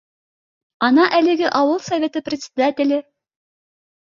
Ана әлеге ауыл Советы председателе